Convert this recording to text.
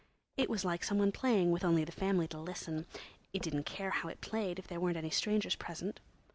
It was like some one playing with only the family to listen; it didn't care how it played if there weren't any strangers present.